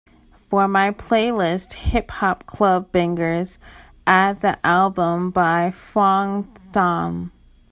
For my playlist hip hop club bangers add the album by Phuong Thanh